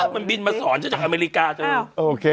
มันบินมาสอนจากอเมริกาจริง